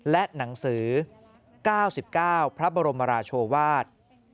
และหนังสือ๙๙พระบรมราชวาส